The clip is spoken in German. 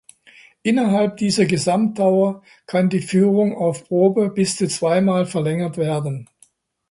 Innerhalb dieser Gesamtdauer kann die Führung auf Probe bis zu zweimal verlängert werden.